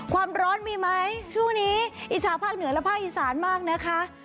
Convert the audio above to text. ความร้อนมีไหมช่วงนี้อิชาภาคเหนือและภาคอีสานมากนะคะ